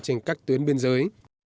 trên các tuyến biên giới